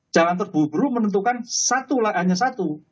jangan terburu buru menentukan satu hanya satu